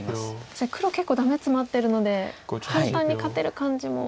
じゃあ黒結構ダメツマってるので簡単に勝てる感じも。